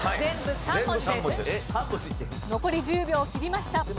残り１０秒切りました。